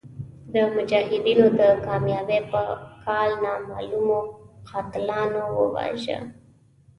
د مجاهدینو د کامیابۍ په کال نامعلومو قاتلانو وواژه.